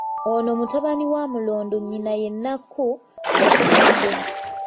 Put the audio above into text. Ono mutabani wa Mulondo nnyina ye Nnakku, wa Ffumbe.